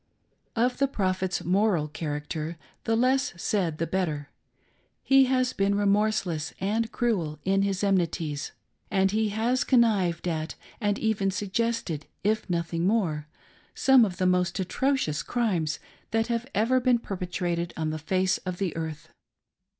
Of the Prophet's moral character, the less said the better. He has been remorseless and cruel in his enmities, and he has connived at and even suggested, if nothing more, some of the most atrocious crimes that have ever been perpetrated on the face of the earth.